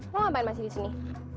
lo ngapain masih disini